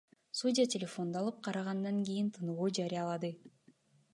Судья телефонду алып, карагандан кийин тыныгуу жарыялады.